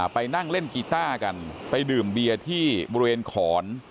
ไปนั่งเล่นกีต้ากันไปดื่มเบียร์ที่บริเวณขอน